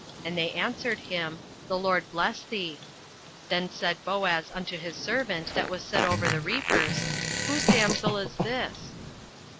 And they answered him, The LORD bless thee. 08:002:005 Then said Boaz unto his servant that was set over the reapers, Whose damsel is this?